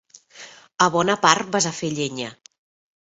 A bona part vas a fer llenya!